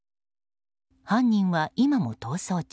犯人は今も逃走中。